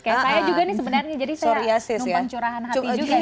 saya juga ini sebenarnya jadi saya numpang curahan hati juga